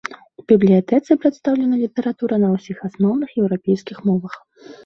У бібліятэцы прадстаўлена літаратура на ўсіх асноўных еўрапейскіх мовах.